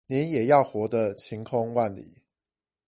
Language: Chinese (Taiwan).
你也要活得晴空萬里